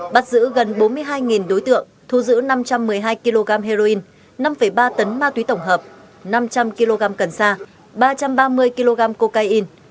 bắt giữ gần bốn mươi hai đối tượng thu giữ năm trăm một mươi hai kg heroin năm ba tấn ma túy tổng hợp năm trăm linh kg cần sa ba trăm ba mươi kg cocaine